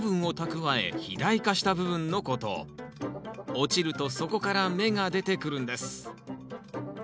落ちるとそこから芽が出てくるんです。